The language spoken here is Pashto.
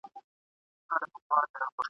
دا وطن به څنګه جوړسي